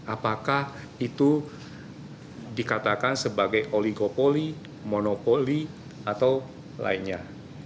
apakah itu dikatakan sebagai oligopoli monopoli atau lainnya